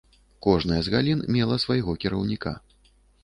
Кожная з галін мела свайго кіраўніка.